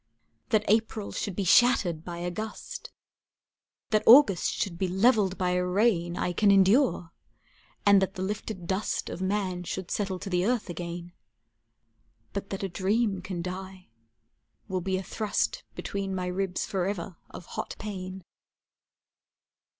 That April should be shattered by a gust, That August should be leveled by a rain, I can endure, and that the lifted dust Of man should settle to the earth again; But that a dream can die, will be a thrust Between my ribs forever of hot pain.